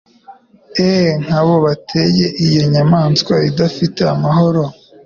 E'en nkabo banteye iyo nyamaswa idafite amahoro